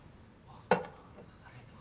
ありがとう。